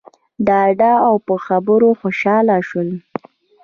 ډاډه او په خبرو خوشحاله شول.